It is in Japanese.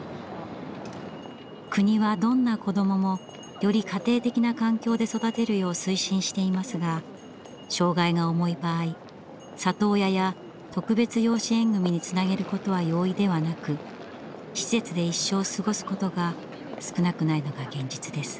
国はどんな子どももより家庭的な環境で育てるよう推進していますが障害が重い場合里親や特別養子縁組につなげることは容易ではなく施設で一生過ごすことが少なくないのが現実です。